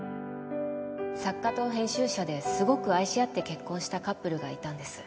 作家と編集者ですごく愛し合って結婚したカップルがいたんです。